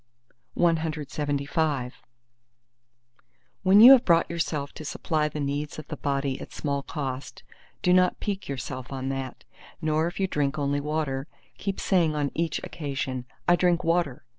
CLXXVI When you have brought yourself to supply the needs of the body at small cost, do not pique yourself on that, nor if you drink only water, keep saying on each occasion, _I drink water!